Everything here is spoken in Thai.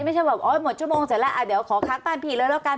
ไม่ใช่แบบโอ๊ยหมดชั่วโมงเสร็จแล้วอ่ะเดี๋ยวขอค้างบ้านพี่เลยแล้วกัน